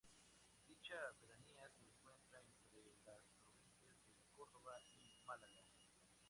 Dicha pedanía se encuentra entre las provincias de Córdoba y Málaga.